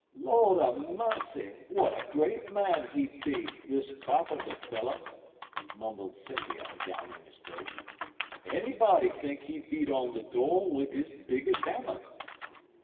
"Lord a mercy, what a great man he be, this carpenter fellow!" mumbled Scipio, down in his throat. "Anybody think he beat on the door with his biggest hammer!"